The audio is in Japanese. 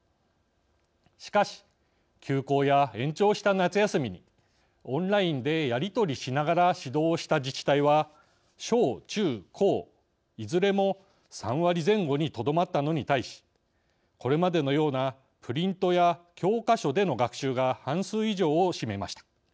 しかし休校や延長した夏休みにオンラインでやり取りしながら指導をした自治体は小中高いずれも３割前後にとどまったのに対しこれまでのようなプリントや教科書での学習が半数以上を占めました。